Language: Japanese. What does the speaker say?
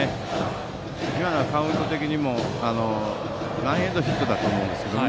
今のはカウント的にもランエンドヒットだと思います。